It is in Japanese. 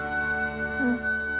うん。